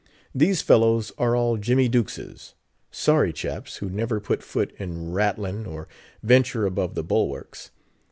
These fellows are all Jimmy Duxes—sorry chaps, who never put foot in ratlin, or venture above the bulwarks.